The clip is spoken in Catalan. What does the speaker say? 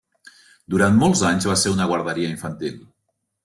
Durant molts anys va ser una guarderia infantil.